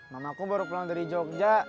mamaku baru pulang dari jogja